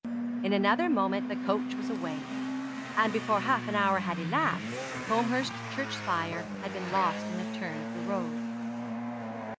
In another moment the coach was away; and before half an hour had elapsed, Combehurst church spire had been lost in a turn of the road.